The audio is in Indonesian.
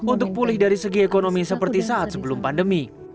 untuk pulih dari segi ekonomi seperti saat sebelum pandemi